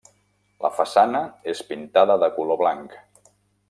La façana és pintada de color blanc.